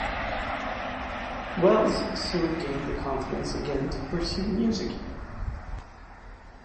Wells soon gained the confidence again to pursue music again.